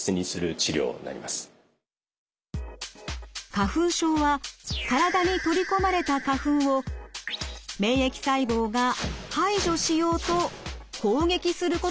花粉症は体に取り込まれた花粉を免疫細胞が排除しようと攻撃することで起きます。